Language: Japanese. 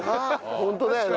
ホントだよな。